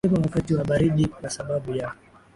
mapema wakati wa baridi kwa sababu ya